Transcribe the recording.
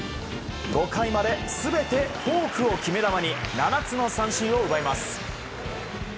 ５回まで全てフォークを決め球に７つの三振を奪います。